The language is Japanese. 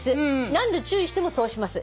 「何度注意してもそうします。